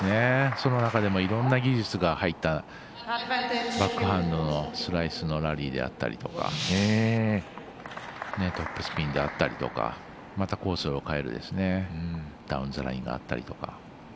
その中でもいろんな技術が入ったバックハンドのスライスのラリーであったりとかトップスピンであったりだとかまたコースを変えるダウンザラインがあったりとか。